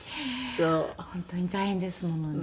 本当に大変ですものね。